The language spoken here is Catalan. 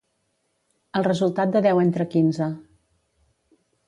El resultat de deu entre quinze.